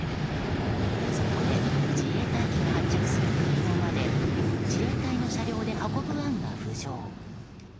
そこで自衛隊機が発着する空港まで自衛隊の車両で運ぶ案が浮上。